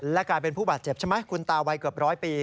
และกลายเป็นผู้บาดเจ็บใช่ไหมคุณตาวัยเกือบร้อยปี